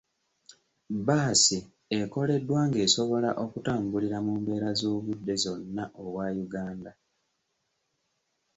Bbaasi ekoleddwa ng'esobola okutambulira mu mbeera z'obudde zonna obwa Uganda.